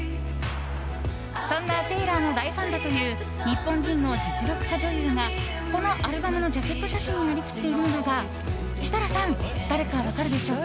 そんなテイラーの大ファンだという日本人の実力派女優がこのアルバムのジャケット写真になりきっているのだが設楽さん誰か分かるでしょうか？